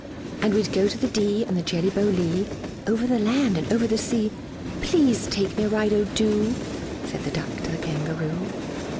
And we'd go to the Dee, and the Jelly Bo Lee, Over the land, and over the sea; Please take me a ride! O do!" Said the Duck to the Kangaroo.